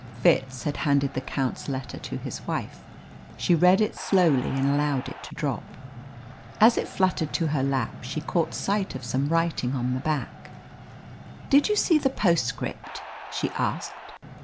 Fitz had handed the Count's letter to his wife. She read it slowly and allowed it to drop. As it fluttered to her lap she caught sight of some writing on the back. "Did you see the postscript?" she asked.